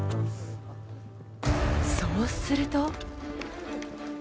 そうすると。